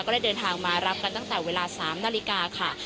ได้เดินทางมารับกันตั้งแต่เวลา๓นาฬิกาค่ะ